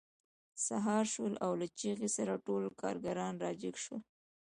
سهار شو او له چیغې سره ټول کارګران راجګ شول